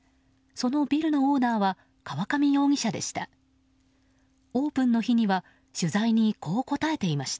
そのビルのオーナーは河上容疑者でした。